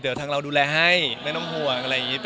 เดี๋ยวทางเราดูแลให้ไม่ต้องห่วง